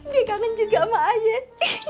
dia kangen juga sama ayah